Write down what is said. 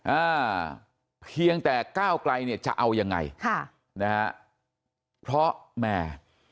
อ่าเพียงแต่ก้าวไกลเนี่ยจะเอายังไงค่ะนะฮะเพราะแม่